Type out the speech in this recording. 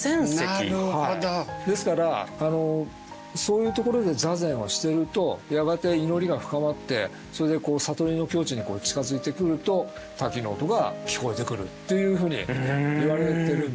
ですからそういうところで座禅をしてるとやがて祈りが深まって悟りの境地に近づいてくると滝の音が聞こえてくるっていうふうにいわれてるんですね。